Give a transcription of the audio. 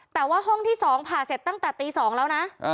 แต่ว่าห้องที่๒ผ่าเสร็จตั้งแต่ตี๒แล้วนะ